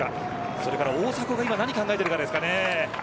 それから大迫が何を考えているかです。